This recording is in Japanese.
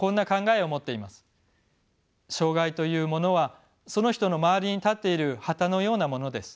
障がいというものはその人の周りに立っている旗のようなものです。